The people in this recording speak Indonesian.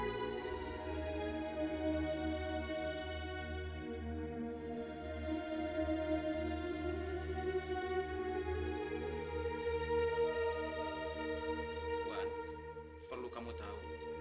iwan perlu kamu tahu